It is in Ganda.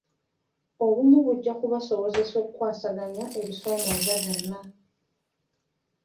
Obumu bujja kubasobozesa okukwasaganya ebisoomoza byonna.